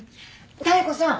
妙子さん